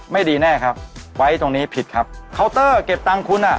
ไม่ดีแน่ครับไว้ตรงนี้ผิดครับเคาน์เตอร์เก็บตังค์คุณอ่ะ